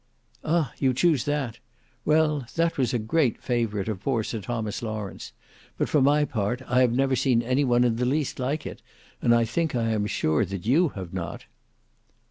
"Ah! you choose that! Well, that was a great favourite of poor Sir Thomas Lawrence. But for my part I have never seen any one in the least like it, and I think I am sure that you have not."